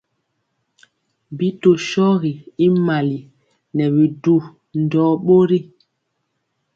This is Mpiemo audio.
Bi tɔɔ shɔgi y mali, nɛ bidu ndɔɔ bori.